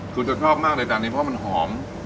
คุณจะชอบมากเลยจานนี้เพราะมันหอม